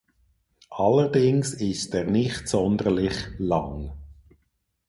Allerdings ist er nicht sonderlich "lang".